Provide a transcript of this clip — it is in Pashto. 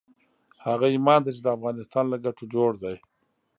هغه ايمان ته چې د افغانستان له ګټو جوړ دی.